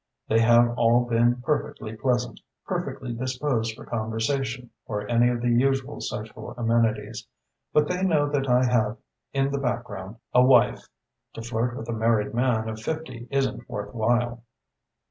They have all been perfectly pleasant, perfectly disposed for conversation or any of the usual social amenities. But they know that I have in the background a wife. To flirt with a married man of fifty isn't worth while."